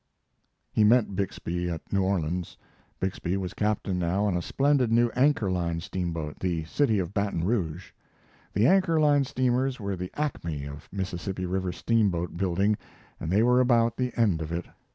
He met Bixby at New Orleans. Bixby was captain now on a splendid new Anchor Line steamboat, the City of Baton Rouge. The Anchor Line steamers were the acme of Mississippi River steamboat building, and they were about the end of it.